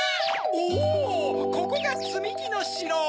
おここがつみきのしろ！